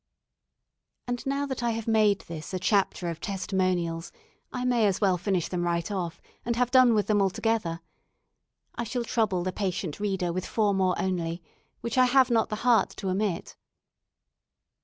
And now that I have made this a chapter of testimonials, I may as well finish them right off, and have done with them altogether. I shall trouble the patient reader with four more only, which I have not the heart to omit.